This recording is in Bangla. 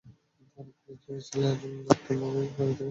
তাঁরা বাড়ির টিনের চালায় আগুন দেখতে পেয়ে বাড়ি থেকে বের হয়ে আসেন।